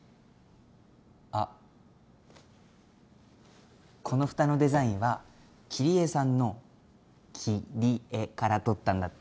あっこのふたのデザインは桐江さんの切り絵から取ったんだって。